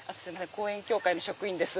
公園協会の職員です。